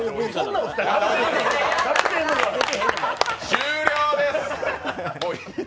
終了です！